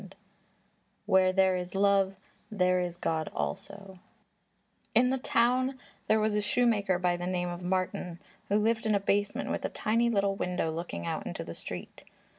_] WHERE THERE IS LOVE, THERE IS GOD ALSO In the town there was a shoemaker by the name of Martin, who lived in a basement with a tiny little window looking out into the street.